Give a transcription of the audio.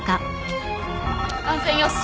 安全よし。